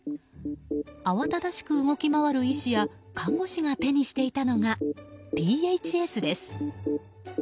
慌ただしく動き回る医師や看護師が手にしていたのがＰＨＳです。